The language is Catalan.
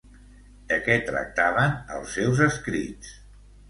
De què tractaven els seus escrits?